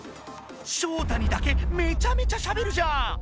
ショウタにだけめちゃめちゃしゃべるじゃん！